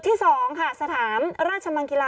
กล้องกว้างอย่างเดียว